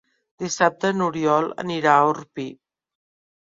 Dissabte n'Oriol anirà a Orpí.